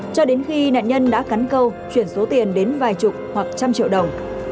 cho đến khi nạn nhân đã cắn câu chuyển số tiền đến vài chục hoặc trăm triệu đồng